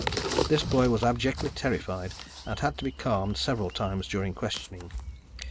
This boy was abjectly terrified and had to be calmed several times during questioning.